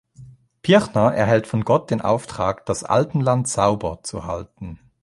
Pirchner erhält von Gott den Auftrag, das „Alpenland“ „sauber“ zu halten.